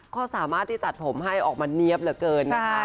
ก็สามารถที่ตัดผมให้ออกมาเนี๊ยบเหลือเกินนะคะ